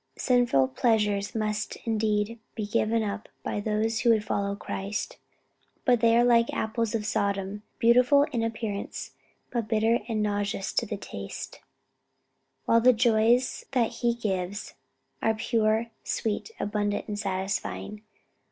"Sinful pleasures must indeed be given up by those who would follow Christ; but they are like apples of Sodom, beautiful in appearance, but bitter and nauseous to the taste; while the joys that he gives are pure, sweet, abundant and satisfying.